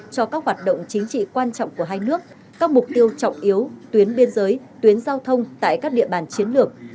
cho các hoạt động chính trị quan trọng của hai nước các mục tiêu trọng yếu tuyến biên giới tuyến giao thông tại các địa bàn chiến lược